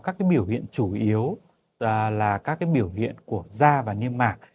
các cái biểu hiện chủ yếu là các cái biểu hiện của da và nghiêm mặt